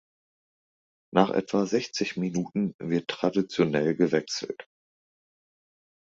Nach etwa sechzig Minuten wird traditionell gewechselt.